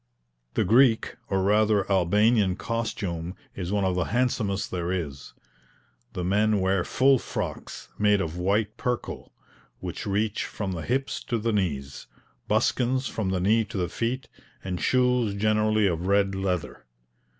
The Greek or rather Albanian costume is one of the handsomest there is. The men wear full frocks, made of white perkal, which reach from the hips to the knees, buskins from the knee to the feet, and shoes generally of red leather.